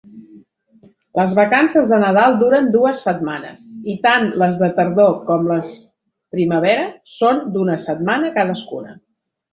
Les vacances de Nadal duren dues setmanes, i tant les de tardor com les primavera són d'una setmana cadascuna.